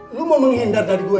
lo mau menghindar dari gue